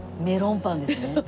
メロンパンですね。